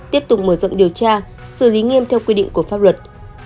tiếp tục mở rộng điều tra xử lý nghiêm theo quy định của pháp luật